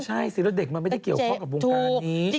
ใช่สิแล้วเด็กมันไม่ได้เกี่ยวข้องกับวงการนี้